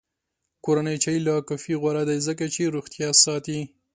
کورنی چای له کافي غوره دی، ځکه چې روغتیا ساتي.